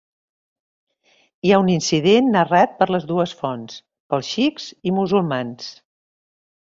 Hi ha un incident narrat per les dues fonts, pels sikhs i musulmans.